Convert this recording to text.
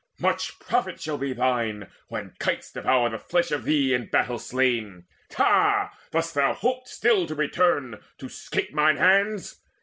Much profit shall be thine, when kites Devour the flesh of thee in battle slain! Ha, dost thou hope still to return, to 'scape Mine hands?